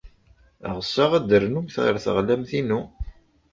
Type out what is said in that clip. Ɣseɣ ad d-ternumt ɣer teɣlamt-inu.